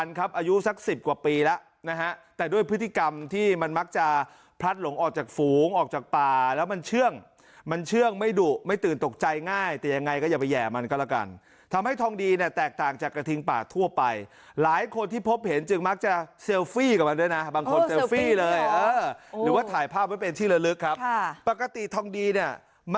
ครับอายุสักสิบกว่าปีแล้วนะฮะแต่ด้วยพฤติกรรมที่มันมักจะพลัดหลงออกจากฝูงออกจากป่าแล้วมันเชื่องมันเชื่องไม่ดุไม่ตื่นตกใจง่ายแต่ยังไงก็อย่าไปแห่มันก็แล้วกันทำให้ทองดีเนี่ยแตกต่างจากกระทิงป่าทั่วไปหลายคนที่พบเห็นจึงมักจะเซลฟี่กับมันด้วยนะบางคนเลฟี่เลยเออหรือว่าถ่ายภาพไว้เป็นที่ละลึกครับค่ะปกติทองดีเนี่ยม